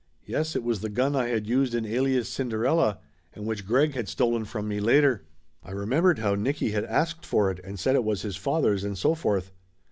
Yes, it was the gun I had used in Alias Cinderella, and which Greg had stolen from me later. I remembered how Nicky had asked for it and said it was his father's and so forth.